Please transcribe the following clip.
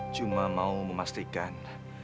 cuma mau memastikan